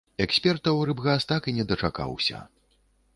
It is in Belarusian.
Экспертаў рыбгас так і не дачакаўся.